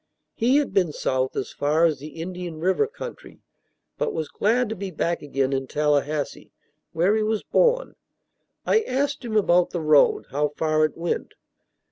He had been south as far as the Indian River country, but was glad to be back again in Tallahassee, where he was born. I asked him about the road, how far it went.